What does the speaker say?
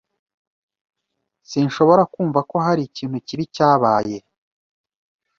Sinshobora kumva ko hari ikintu kibi cyabaye .